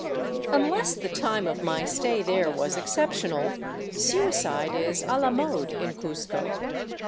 Unless the time of my stay there was exceptional, suicide is a la mode in Cuzco.